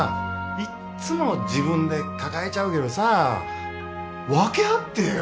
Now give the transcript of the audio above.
いっつも自分で抱えちゃうけどさ分け合ってよ